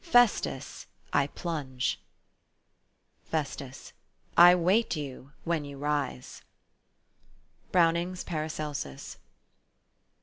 Festus, I plunge !" FEST. I wait you when you rise ! BROWNING'S PARACELSUS.